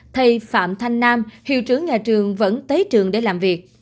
thầy phạm thanh nam hiệu trưởng nhà trường vẫn tới trường để làm việc